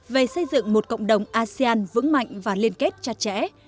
về xây dựng một cộng đồng asean vững mạnh và liên kết chặt chẽ